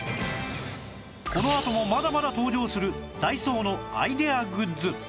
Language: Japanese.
このあともまだまだ登場するダイソーのアイデアグッズ